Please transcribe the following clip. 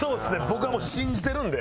僕はもう信じてるので。